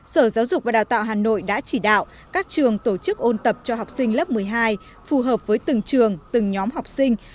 sở giáo dục và đào tạo hà nội đã chỉ đạo các trường tổ chức ôn tập cho học sinh lớp một mươi hai phù hợp với từng trường từng nhóm học sinh